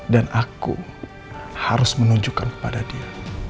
dan aku harus menunjukkan kepada dia